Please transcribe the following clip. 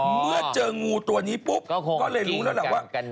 เมื่อเจองูตัวนี้ปุ๊บก็เลยรู้แล้วล่ะว่า